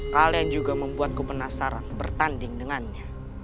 kalian juga membuatku penasaran bertanding dengannya